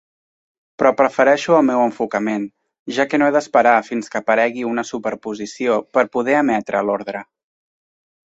Però prefereixo el meu enfocament, ja que no he d'esperar fins que aparegui una superposició per poder emetre l'ordre.